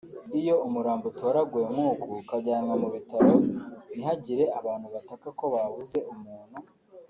Iyo umurambo utoraguwe nk’ uku ukajyanwa mu bitaro ntihagire abantu bataka ko babuze umuntu